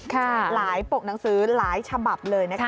หลายปกหนังสือหลายฉบับเลยนะคะ